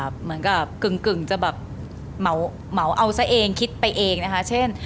กึ่งจะเหมาะเอาซะเองคิดไปเองนะคะเช่น